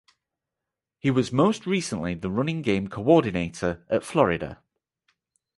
He was most recently the running game coordinator at Florida.